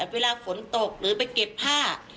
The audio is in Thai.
เวลาฝนตกหรือไปเก็บผ้า